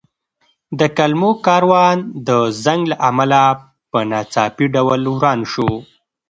د کلمو کاروان د زنګ له امله په ناڅاپي ډول وران شو.